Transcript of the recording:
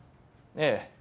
ええ。